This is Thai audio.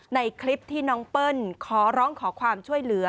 ในคลิปที่น้องเปิ้ลขอร้องขอความช่วยเหลือ